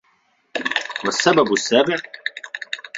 وَالسَّبَبُ السَّابِعُ